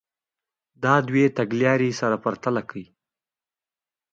دا دوې تګ لارې سره پرتله کړئ.